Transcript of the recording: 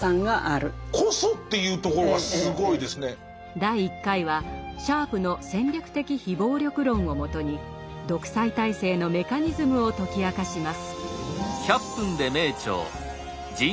第１回はシャープの戦略的非暴力論をもとに独裁体制のメカニズムを解き明かします。